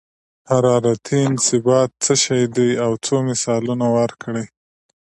حرارتي انبساط څه شی دی او څو مثالونه ورکړئ.